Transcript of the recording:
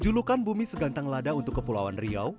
julukan bumi segantang lada untuk kepulauan riau